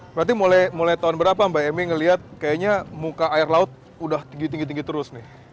berarti mulai tahun berapa mbak emi ngeliat kayaknya muka air laut udah tinggi tinggi terus nih